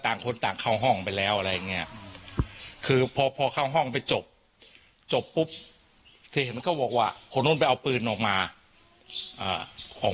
แต่ผมอยู่ในห้องหน้าถามเขาได้ยินมั้ยแสดงปืนได้ยิน